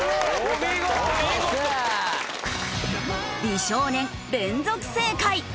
美少年連続正解！